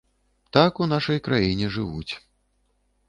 Так у нашай краіне жывуць.